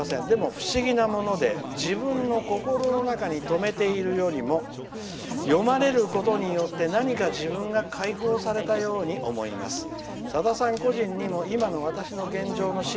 でも、不思議なもので自分の心の中に留めているよりも読まれることによって何か自分が解放されたように思います。